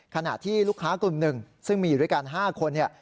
ขณะที่ลูกค้ากลุ่มหนึ่งซึ่งมีอยู่ด้วยกัน๕คนเนี่ย